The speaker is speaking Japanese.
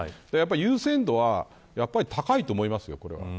優先度は高いと思いますよ。